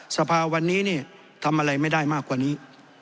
สภาวันนี้เนี่ยทำอะไรไม่ได้มากกว่านี้